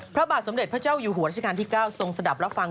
พระบาทสมเด็จพระเจ้าอยู่หัวราชการที่๙ทรงสะดับรับฟัง